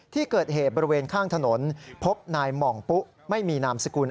ที่เกิดเหตุบริเวณข้างถนนพบนายหม่องปุ๊ไม่มีนามสกุล